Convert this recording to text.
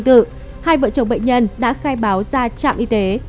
trường tương tự hai vợ chồng bệnh nhân đã khai báo ra trạm y tế